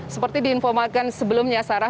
seperti diinformalkan sebelumnya sarah